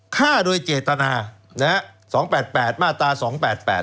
ฆ่าโดยเจตนานะฮะสองแปดแปดมาตราสองแปดแปด